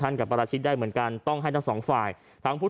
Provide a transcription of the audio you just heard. กับปราชิกได้เหมือนกันต้องให้ทั้งสองฝ่ายทั้งผู้